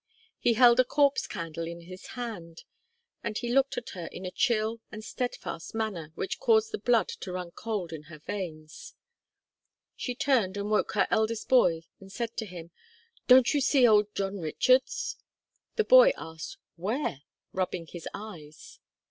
He held a Corpse Candle in his hand, and he looked at her in a chill and steadfast manner which caused the blood to run cold in her veins. She turned and woke her eldest boy, and said to him, 'Don't you see old John Richards?' The boy asked 'Where?' rubbing his eyes.